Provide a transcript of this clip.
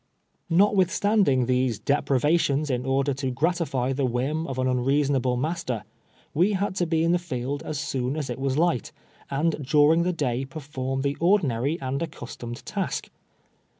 Notwithstanding these deprivations in order to grat ify the whim of an unreasonable master, we had to be in the field as soon as it was light, and during the day perform the ordinary and accustomed task.